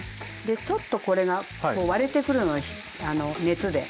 ちょっとこれが割れてくるの熱で。